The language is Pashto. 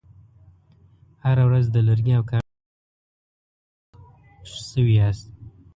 هره ورځ د لرګي او کاغذ سوځولو سره مخامخ شوي یاست.